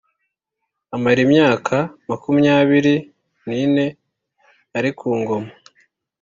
amara imyaka makumyabiri n’ine ari ku ngoma